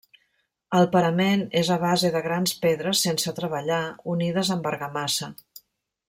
El parament és a base de grans pedres sense treballar unides amb argamassa.